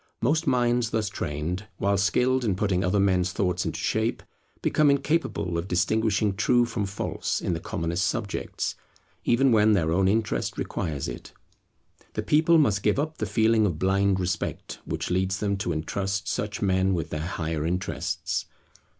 Most minds thus trained, while skilled in putting other men's thoughts into shape, become incapable of distinguishing true from false in the commonest subjects, even when their own interest requires it. The people must give up the feeling of blind respect which leads them to intrust such men with their higher interests.